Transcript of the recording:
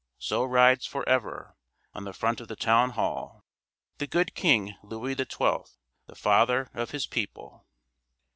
So rides for ever, on the front of the town hall, the good king Louis XII., the father of his people.